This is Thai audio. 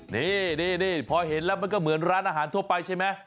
นี่พอเห็นแล้วมันก็เหมือนร้านอาหารทั่วไปใช่ไหม